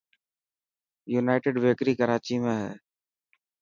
يونائٽڊ بيڪري ڪراچي ۾ هي.